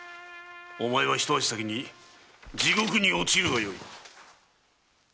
お前は一足先に地獄に堕ちるがよい。